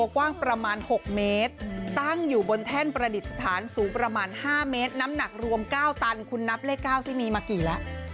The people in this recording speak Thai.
เก่าตันคุณนับเลข๙ซิมีมากี่แล้ว